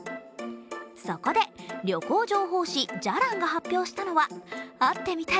そこで旅行情報誌「じゃらん」が発表したのは会ってみたい！